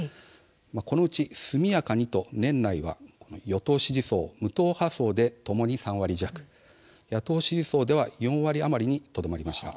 このうち、すみやかに、年内は与党支持層、無党派層でともに３割弱、野党支持層では４割余りにとどまりました。